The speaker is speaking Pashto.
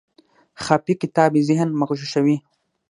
خافي کتاب یې ذهن مغشوشوي.